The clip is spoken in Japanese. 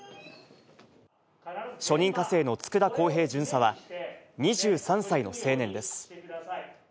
初任科生の佃康平巡査は、２３歳の青年です。